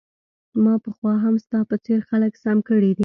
ما پخوا هم ستا په څیر خلک سم کړي دي